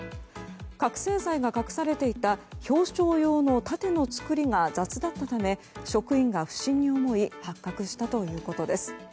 覚醒剤が隠されていた表彰用の盾の作りが雑だったため職員が不審に思い発覚したということです。